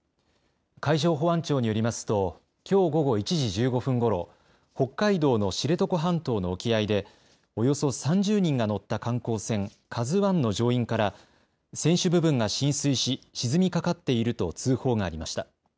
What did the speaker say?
海上保安庁によりますと、きょう午後１時１５分ごろ、北海道の知床半島の沖合で、およそ３０人が乗った観光船、ＫＡＺＵわんの乗員から船首部分が浸水し、沈みかかっていると通報がありました。